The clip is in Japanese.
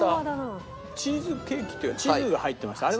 チーズケーキっていうかチーズが入ってました。